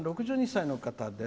６２歳の方。